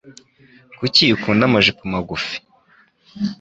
Kuki ukunda amajipo magufi?